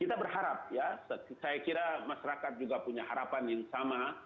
kita berharap ya saya kira masyarakat juga punya harapan yang sama